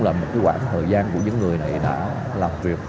là một quãng thời gian của những người này đã làm việc